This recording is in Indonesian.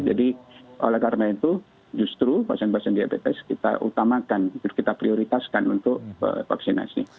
jadi oleh karena itu justru pasien pasien diabetes kita utamakan kita prioritaskan untuk vaksinasi